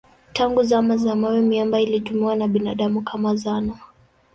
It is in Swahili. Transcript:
Tangu zama za mawe miamba ilitumiwa na binadamu kama zana.